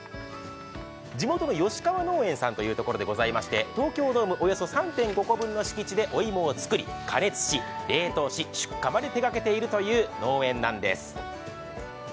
地元の吉川農園さんというところでございまして、東京ドームおよそ３．５個分の畑でお芋を作り、加熱し、冷凍し、出荷まで手がけているという農園なんです。